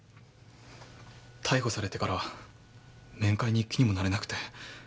逮捕されてからは面会に行く気にもなれなくて。